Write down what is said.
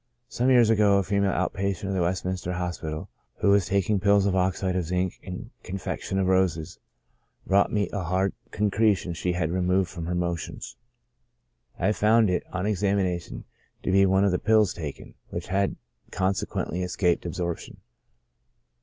Some years ago, a female out patient of the Westminister Hospital, who was taking pills of oxide of zinc and confection of roses, brought me a hard concretion she had removed from her motions. I found it, on exami nation, to be one of the pills taken, which had consequently escaped absorption.